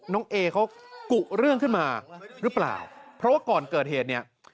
น้องเอเขากุเรื่องขึ้นมาหรือเปล่าเพราะว่าก่อนเกิดเหตุเนี่ย